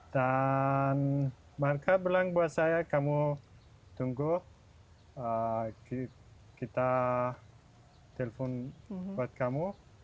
dan mereka bilang kamu tunggu kita telepon ke kamu